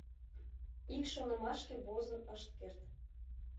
Ик шонымашке возын ышт керт.